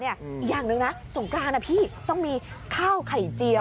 อย่างหนึ่งนะสงกรานนะพี่ต้องมีข้าวไข่เจียว